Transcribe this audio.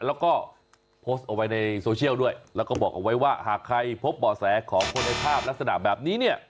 แล้วก็โพสต์เอาไว้ในโซเชียลด้วยแล้วก็บอกเอาไว้ว่าหากใครพบบ่อแสของคนในภาพลักษณะแบบนี้เนี่ย